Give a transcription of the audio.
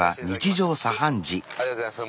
ありがとうございます。